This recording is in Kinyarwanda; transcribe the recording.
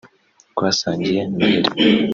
twasangiye noheli